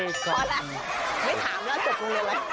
ไม่ถามแล้วจบกรุงเรียนแล้ว